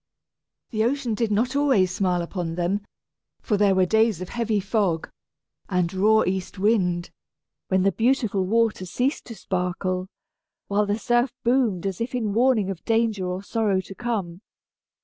The ocean did not always smile upon them, for there were days of heavy fog, of raw east wind, when the beautiful water ceased to sparkle, while the surf boomed as if in warning of danger or sorrow to come.